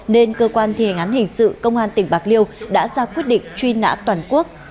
nên cơ quan thi hành án hình sự công an tỉnh bạc liêu đã ra quyết định truy nã toàn quốc